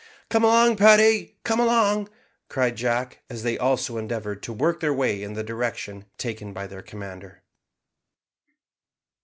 "Come along, Paddy, come along," cried Jack, as they also endeavoured to work their way in the direction taken by their commander.